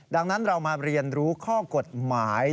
ดังนั้นเรามาเรียนรู้ข้อกฎหมาย